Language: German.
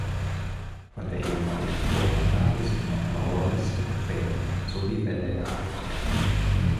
Von der ehemaligen Burganlage sind noch Mauerreste, Gräben sowie Wälle erhalten.